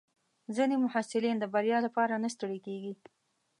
ځینې محصلین د بریا لپاره نه ستړي کېږي.